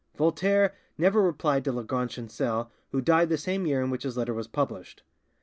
Voltaire never replied to Lagrange Chancel, who died the same year in which his letter was published.